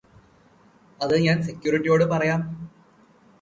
അത് ഞാന് സെക്യൂരിറ്റിയോട് പറയാം